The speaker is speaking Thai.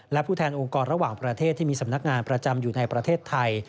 และผู้แทนองค์กรระหว่างประเทศที่มีสำนักงานประจำอยู่ในประเทศไทย